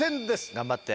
頑張って。